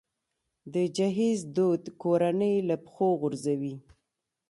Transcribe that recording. د جهیز دود کورنۍ له پښو غورځوي.